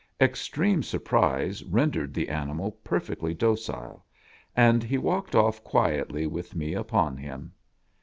Extreme surprise rendered the animal perfectly docile, and he walked off quietly with me upon him.